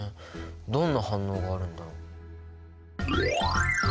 どんな反応があるんだろう？